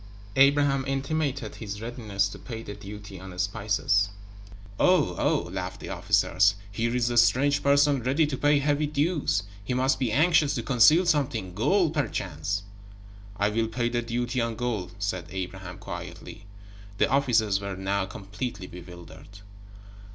Abraham intimated his readiness to pay the duty on spices. "Oh, Oh!" laughed the officers. "Here is a strange person ready to pay heavy dues. He must be anxious to conceal something gold, perchance." "I will pay the duty on gold," said Abraham, quietly. The officers were now completely bewildered.